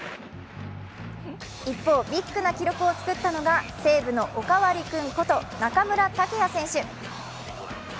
一方、ビッグな記録を作ったのが西武のおかわり君こと中村剛也選手。